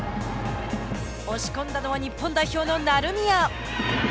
押し込んだのは日本代表の成宮。